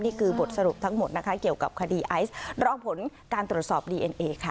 บทสรุปทั้งหมดนะคะเกี่ยวกับคดีไอซ์รอผลการตรวจสอบดีเอ็นเอค่ะ